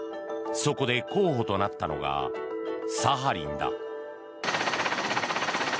そこで候補となったのがサハリンだ。